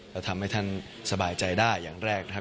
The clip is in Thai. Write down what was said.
แล้วทำให้ท่านสบายใจได้อย่างแรกนะครับ